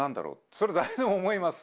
それ誰でも思います。